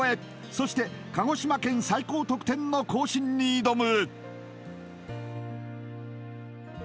そして鹿児島県最高得点の更新に挑む！